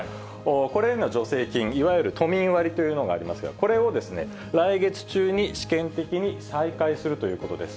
これへの助成金、いわゆる都民割というのがありますが、これを来月中に試験的に再開するということです。